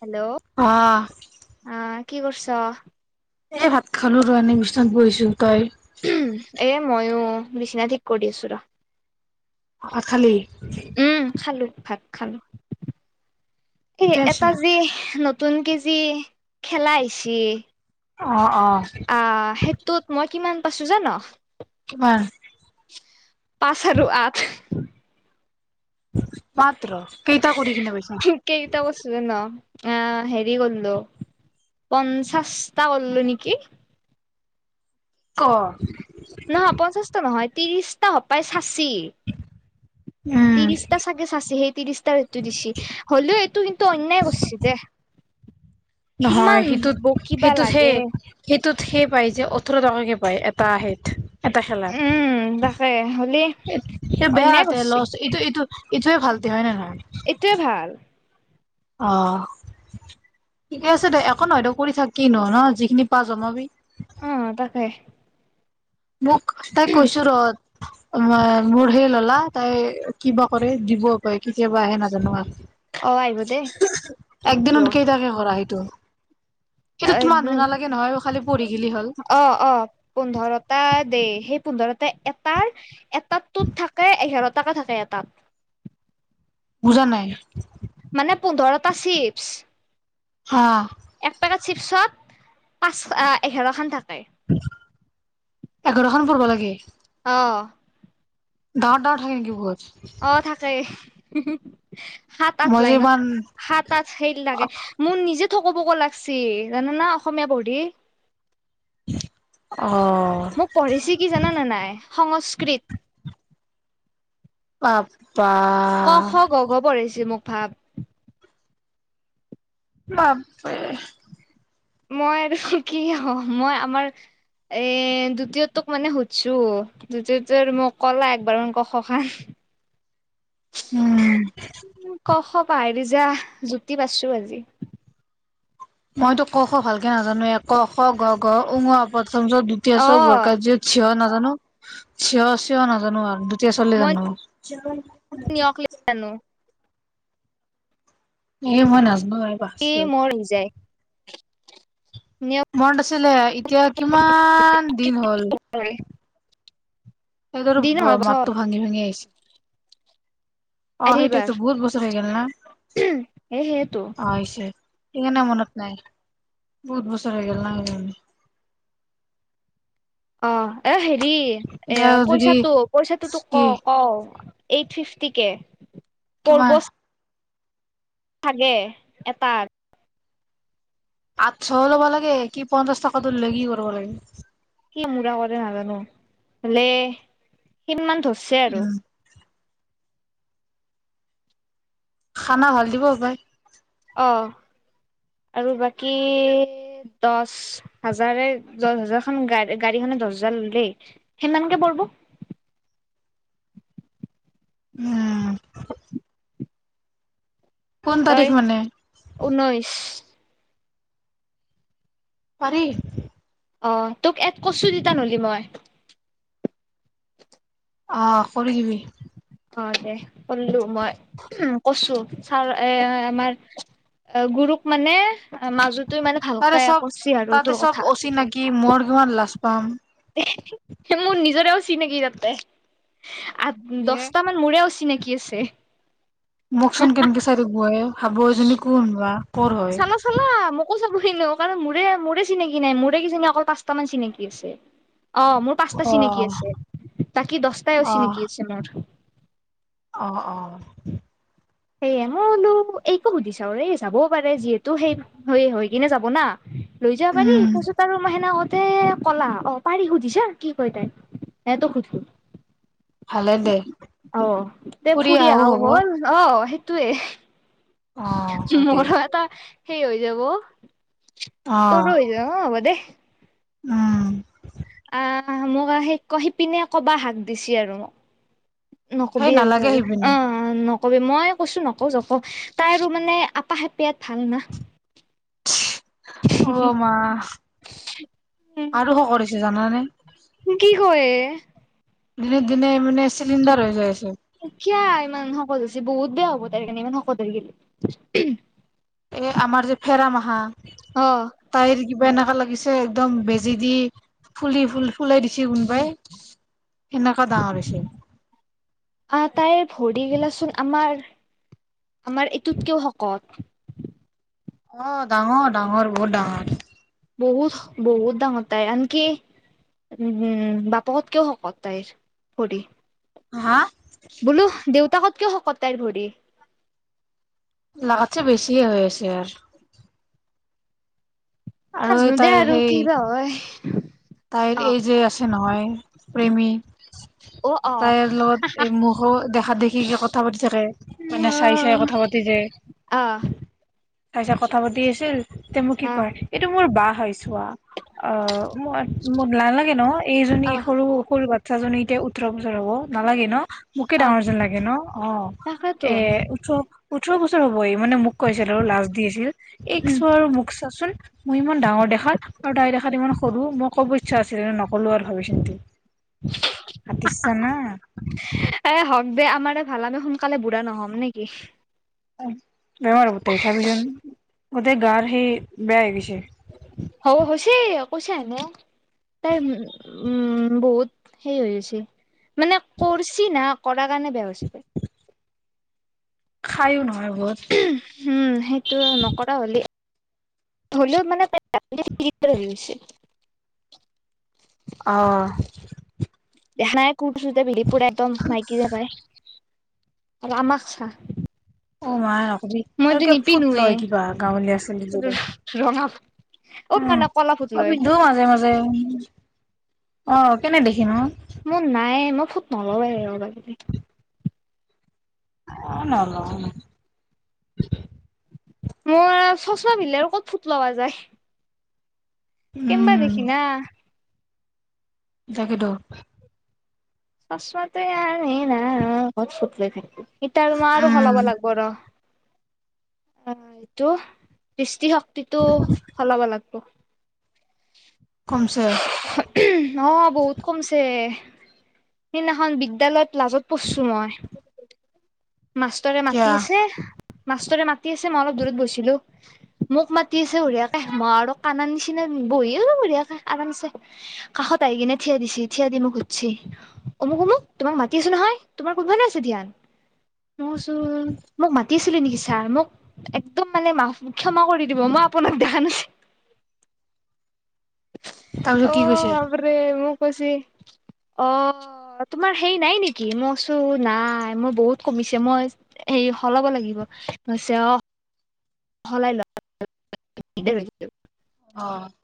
Hello আহ আহ কি কৰিছ। এ ভাত খালো ৰ এনে বিছনাত বহিছো তই। এ ময়ো বিচিনা ঠিক কৰি দি আছো ৰ। খালী। ভাগ খালো এ ঠিকে আছে এটা যি নতুন। নতুন কে যি খেলা আহিছে। অ অ অ সেইটোত মই কিমান পাইছো জান। কিমান। পাঁচ আৰু আঠ। মাত্ৰ কেইটা কৰি কিনে পাইছ আহ হেৰি কৰিলো পঞ্চাশটা কৰিলো নেকি। ক নহয় পঞ্চাশটা নহয় ত্ৰিশটা প্ৰায়। উম তিশটা চাগেসাইছে সী ত্ৰিছটাৰ টো দিছি হ'লেও এইটো কিন্তু অন্যায় কৰিছে দে। নহয় কিমান সেইটোত বকিবা সেইটোত সেই লাগে সেই। ত সেই পায় যে ওঠৰ টকাকে পায় এটা হেত এটা উম তাকে হলি। স বেয়াতে লচ ইটো ইটো ইটোৱে ভালতে হয় নে নহয়। এইটোয়ে ভাল আহ। ঠিকে আছে দে একো নহয় তো কৰি থাক কি ন ন যিখিনি পা যমাবি। [unintelligible] অ তাকে। মোক তাই কৈচ ৰ মোৰ হেই লল তাই কিবা কৰে দিবও পাৰে কেতিয়াবা আহে নাজানো। অ আহিব দেই তোৰতো একদিনত কেইটাকে কৰাৰা সেইটো। সেইটোতো মানুহ নালাগে নহয় খালি পঢ়ি গিলি হল। দেই সেই পোন্ধৰতে এটাৰ এটাত থাকে এঘাৰ তাকা থাকে এতাত। বুজা নাই। মানে পোন্ধৰটা চিপছ হা। এক পেকেট চিপছত পাঁচ এঘাৰ খান থাক। এঘাৰখন পব লাগে। অঁ। দহ টা থাকে বুত [unintelligible] হাত আঠ মই যে লাইনত ইমান হাত আঠ খেইল লাগে মোৰ নিজে থ ক'ব ক' লাগচি জান না অসমীয়া পঢ়ি। [inaudible] মোক পঢ়িছে কি জানানে নাই সংস্কৃত। অ। ক খ গ ঘ পঢ়াইছে মোক ভাব। বাপৰে। মই আৰু কি মই আমাৰ এ দ্বিতীয়টোক মানে সুধছো দ্বিতীয়তে আৰু মোক ক'লা একবাৰমান ক খ খ উম [inaudible] ক খ পাইৰি যা জুতি পাইছো আজি। মইতো ক খ ভালকে নাজানো ক খ ঘ ঘ উঙৰ ওপৰত- প্ৰথম চ দুতীয়া অ চ বৰ্গা ঝ ঝ ন। নাজানো চিয় চিঞ নাজানো আৰু দ্বিতীয় চলে জানো। [unintelligible] নো [unintelligible] এই মই নাজ কি মৰি যায়। নিয়ক মন আছিলে এতিয়া কিমান দিন হ'ল? স ধৰ দিন নহয় বছৰ মাত্ৰ ভাঙি ভাঙি আহিছে। অ আহিবাৰ সেইটাইতো বহুত বছৰ হৈ গল না এ সেইটো অইছে। [unintelligible] সেইকাৰণে মনত নাই বহুত বছৰ হৈ গল না। [inaudible] অ এ হেৰি এ এতিয়া যদি পইচাটো পইচাটো তোক কি ক ক। এইট ফিফটি কে কিমান প্ব [unintelligible] ভাগে এটাত আঠশ ল'ব লাগে কি পঞ্চাশ টকাটো [unintelligible] কি কৰিব লাগে কি মূৰা কৰে নাজানো, হলে সমান ধৰিছে আৰু। উম খানা ভাল দিব হপায়? অ। আৰু বাকী দহ হাজাৰে দহ হাজাৰ খ গা় গাড়ীখন দহ হজাৰ দেই সিমানকে পঢব উম। কোন তাৰিখ ই মানে ঊনৈছ। [unintelligible] পাৰি। অ তোক এট কচু তা নলি মই [unintelligible] অ কৰি দিবি অ দে কলো মই কছো ছাৰ এ আমাৰ অ গুৰুক মানে মাজোতো মানে তাৰে ভালকে চব কৈছি আৰু তাতে তোৰ চব কথা অচিনাকি মোৰ কিমান লাজ পাম মোৰ নিজৰেও অচিনাকি তাতে আ ইয়ে দহটা মান মোৰেও অচিনাকি শিকিছে মোকচোন কেনেকে চাইথাকব এ [unintelligible] এজনী কোনো বা কৰ হয়। চালো চালোআও [unintelligible] কাৰণ মোৰে মোৰে চিনাকি নাই মোৰে কি চিনি অকল পাঁচটা মান চিনাকি আছে অ মোৰ পাঁচটা চিনাকি অ', আছে বাকী দহটাই অ'। চিনাকি আছে মোৰ [unintelligible] অ অ সেয়ে মই বোলো এইটো সুধিছা এই যাবও পাৰে যিহেতু সেই হৈয়ে হৈ কিনে যাব না লৈ যাব পাৰি উম, তাৰপিছত আৰু মাহেনা কলা অ পাৰি সুধিছা কি কয় তাই এহ তোক সুধিলো ভালে দে অ দে ফুৰি আহাও হ'ব। হ'ল অ সেইটোয়ে অ', হয় দে মোৰো এটা সেই হৈ যাব অ', তৰ হৈ য অব দে উম আহ মোকেই শিপিনে কবা শাক দিছে আৰু মোক সেই নকবি আৰু নালাগে তই সিপিনে। অ কবি মই কৈছো নক ওঁ নকওঁ তাৰ মানে আপাসেপেয়াত ভাল না। অ মা, আৰু শকত হৈছে। জানানে কি ক ই এ দিনে দিনে মানে চিলিণ্ডাৰ হৈ যায় আছে কিয়া ইমান শকত হৈচি বহুত বেয়া হ'ব তাইৰ কাৰণে ইমান শকত হলি এ আমাৰ যে ফেৰা মাখা অ তাইৰ কিবা এনেকা লাগিছে একদম বেজে দি ফুলি ফুলি ফুলে দিচি কোনোবাই এনেকা ডাঙৰ হৈছে। আ তাইৰ ভৰি গেলাচোন আমাৰ আমাৰ এইটোতকেও শকত আহ ডাঙৰ -ডাঙৰ বহুত ডাঙৰ বহুত- বহুত ডাঙৰ তায় আনকি উ উম বাপেকেও শকত তাইৰ ভৰি হা বোলো দেউতাকত কেয় শকত তাইৰ ভৰি লাগাছে বেছি হৈ আছে আৰ আৰু এই নাজনো দে তাইৰ আৰু সেই কি বা হয়। তাইৰ অ এই যে আছে নহয় প্ৰেমী। অ অ তাইৰ লগত এই মুখো দেখাত দেখি কথা পাতি থাকে মানে চাই- চাই কথা পাতি যে। অ তাই পিছত কথা পাতি আছিল তে মোক কি অ কয় এইটো মোৰ বা হৈ চোৱা আহ নালাগে ন এইজনী অ সৰু সৰু বাচ্ছা জনি এতিয়া ওঠৰ বছৰ হব নালাগে ন। মোকে অ', ডাঙৰ যেন লাগে ন অ এ তাকেতোন ওঠৰ -ওঠৰ বছৰ হব এই মানে মোক কৈছিল আৰু লাজ দি আছিল এই উম চোৱা আৰু মোক চাচোন মই ইমান ডাঙৰ দেখা আৰু তাইৰ দেখাত ইমান কৰো মই ক'ব ইচ্ছা আছিলে নক'লো আৰু ভাবি চিন্তি। হাতীৰ ছানা বেয়া আমাৰ ভাল আমি সোনকালে বুঢ়া নহম নেকি। বেমাৰ হব টাইৰ চাবিছোন গোটেই গাৰ সেই বেয়া হৈ গেইছি হ হৈছে কৈছে আকো [unintelligible] তাই উম বহুত সেই হৈ আছে মানে কৰছি না [unintelligible] [unintelligible] কৰা কাৰণে বেয়া হৈ হৈছে পায় [unintelligible] [unintelligible] খাইয়ো নহয় [unintelligible] [unintelligible] উম সেইটো নকৰা হ'লে হ'লেও মানে বে [unintelligible] ছে [unintelligible] আহ [unintelligible] [unintelligible] দেঊ নাই কোঠ চধা বিৰিপু এটো মাইতি যে পাই [unintelligible] ৰামা খ্যা [unintelligible] অ মায়ে নকবি আৰু কিবা ফুট লয় কিবা গাঁৱলীয়া ছোৱালীৰ দৰে ৰঙা অ নহয় নহয় কলা ফুট উম লয় পিন্ধো মাজে মাজে অ কেনে দেখি ন মোৰ নাই মই ফুট নল‌ওঁৱে ৰ বাগ [unintelligible] অ নল‌ওঁ [unintelligible] মোৰ চচমা পিন্ধিলে আৰু ক'ত ফুট লগা যায় [unintelligible] কেম্বা উম দেখি না। তাকেটো চচমাটো ইয়াৰ নে না ফুট লৈ থাকিবি এতিয়া মই আৰু উম সলাব লাগিব ৰ অ এইটো দৃষ্টি শক্তিটো সলাব লাগিব কমছে অ বহুত কমিছে সিনাখন বিদ্যালয়ত লাজত পৰছো মই মাষ্টৰে কিয়া মাতি আছে মাষ্টৰে মাতি আছে মই অলপ দূৰত বৈছিলো মোক মাতি আছে বঢ়িয়াকে মই আৰু কানা নিচিনা বহি আছো বঢ়িয়াকে আৰামছে, কাষত আহি কিনে থিয়া দিছে থিয়া দি মোক সুধচি [unintelligible] তোমাক মাতি আছো নহয় তোমাৰ ক'ত ভালে আছে ধ্যান [unintelligible] [unintelligible] মই চোন মোক মাতিছিলি নেকি ছাৰ মোক একদম মানে মাফ ক্ষমা কৰি দিব মই [unintelligible] আপোনাক দেখা নাছি [unintelligible] তাৰপিছত অ কি কৈছে আবৰে মোৰ কচি [unintelligible] অ তোমাৰ হেৰি নাই নেকি মইচো নাই মই বহুত কমিছে মই [unintelligible] এই সলাব লাগিব [unintelligible] অ [unintelligible] সলাই লোৱা [unintelligible] অঁ [unintelligible]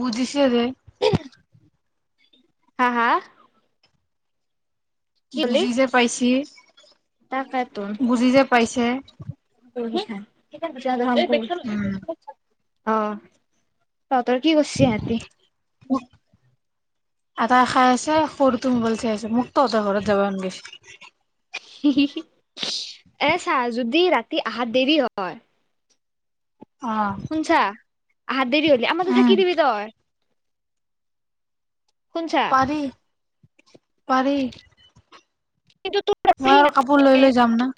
বুজিছে যে [unintelligible] হা-হা [unintelligible] বুজি যে পাইছে [unintelligible] তাকেইটো [unintelligible] বুজি যে উম [unintelligible] [inaudible] আহ তহঁতৰ কি কৰিছে সিহঁতি [unintelligible] মোক এটা খাই আছে সৰুটো মোবাইল চাই আছে মোক তহঁতৰ ঘৰত যাবা মন গৈছে [unintelligible] হি হি হি এ ছাৰ যদি ৰাতি আহা দেৰি হয় [unintelligible] আহ [unintelligible] [unintelligible] আহা দেৰি হ'লি আমাৰ ঘৰতে থাকি দিবি তই [unintelligible] শুনছা পাৰি পাৰি [unintelligible] কিন্তু [unintelligible] মই আৰু কাপোৰ নাছে লৈ-লৈ যাম না [unintelligible]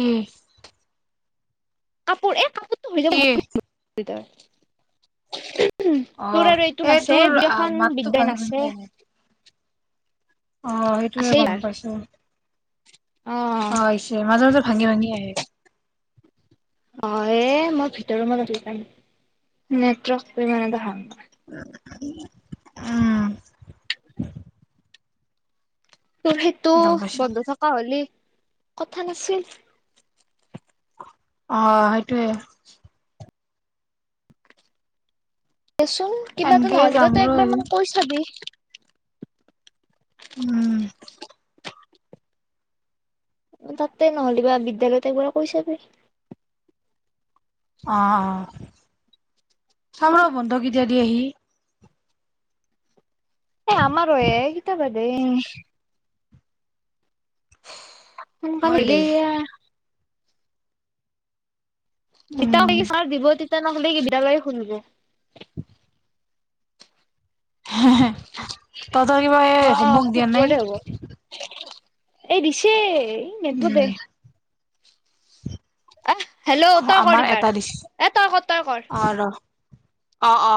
উম [unintelligible] [unintelligible] কাপোৰ এ কাপোৰটো হৈ যাব [unintelligible] কি [unintelligible] উম তোৰ অ' আৰু এইটো এই নাচ তোৰ আহ দুখন মাতটো বিদ্যাই ভাঙি ভাঙি নাছে আহে। [unintelligible] [unintelligible] অ সেইটোৱেই আছেই গম আৰ পাইছোঁ [unintelligible] [unintelligible] অ আহিছে মাজে-মাজে ভাঙি-ভাঙি আহে [unintelligible] [unintelligible] হয় মই ভিতৰ ৰুমত আ যাম নেটৱৰ্কটো ইমান এটা ভাল নাপায় [unintelligible] উম তোৰ সেইটো গম পাইছো। বন্ধ থকা হলে কথা নাছিল। অ সেইটোৱে দেচোন কিবা এটো এনেকেই নহ'লে যাম তই ৰ একবাৰ এদিন। মানে কৈ চাবি উম তাতে নহ'লে বা বিদ্যালয়তো কৰি ছাবি অ অ চাম ৰ বন্ধ কেতিয়া দি আহি এ আমাৰ এ কিটা বাধে নম হয় মানল দে, [unintelligible] উম, তেতিয়া চ দিব তেতিয়া নহ'লে কি বি লাগে শুনিব উ [unintelligible] তইতৰ কিবা অ হমৱৰ্ক দিয়া শুকুৰবাৰে হ'ব নাই এই দিছে নিদিব দে আহ হেল্ল' অ তই কৰ আমাৰ এইবাৰ এটা দৃশ্য এ তই কৰ তই কৰ আৰু অ অ